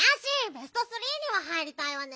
ベストスリーには入りたいわね。